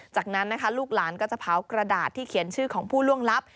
จากนั้นนะคะลูกหลานก็จะเผากระดาษที่เขียนชื่อของผู้ล่วงลับ